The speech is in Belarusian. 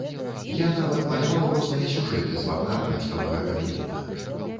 Я нават маляваў розныя сюжэты з вакна бацькавага кабінета.